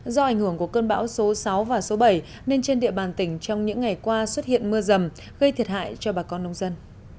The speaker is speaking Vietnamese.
do ảnh hưởng của cơn bão số sáu và số bảy nên trên địa bàn tỉnh trong những ngày qua xuất hiện mưa rầm gây thiệt hại cho bà con nông dân